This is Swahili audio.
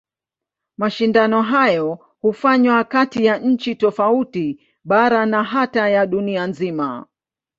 Mashindano hayo hufanywa kati ya nchi tofauti, bara na hata ya dunia nzima.